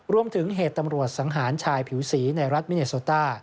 เหตุตำรวจสังหารชายผิวสีในรัฐมิเนโซต้า